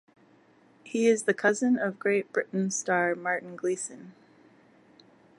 He is the cousin of Great Britain star Martin Gleeson.